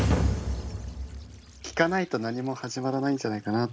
聞かないとなにも始まらないんじゃないかなって思って。